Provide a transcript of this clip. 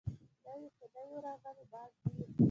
_نوي خو نه يو راغلي، باز مير.